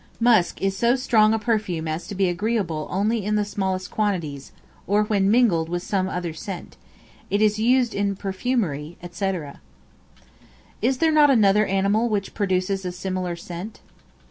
Musk is so strong a perfume as to be agreeable only in the smallest quantities, or when mingled with some other scent; it is used in perfumery, &c. Is there not another Animal which produces a similar scent?